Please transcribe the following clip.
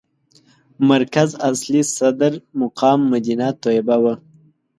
مرکز اصلي صدر مقام مدینه طیبه وه.